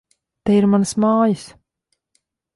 Te ir manas mājas!